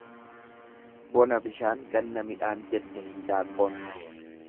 Bona bishaan, ganna midhaan jette hindaanqoon.